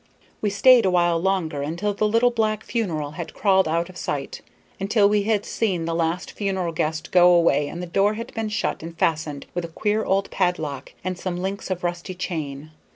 We stayed awhile longer, until the little black funeral had crawled out of sight; until we had seen the last funeral guest go away and the door had been shut and fastened with a queer old padlock and some links of rusty chain.